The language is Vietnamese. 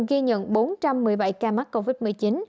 ghi nhận bốn trăm một mươi bảy ca mắc covid một mươi chín